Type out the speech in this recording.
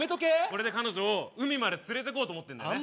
これで彼女を海まで連れていこうと思ってんだよね